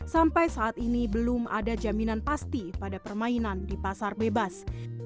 sampai saat ini belum ada jaminan pasti pada permainan di pasar bebas